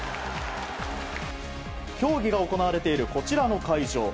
競技が行われているこちらの会場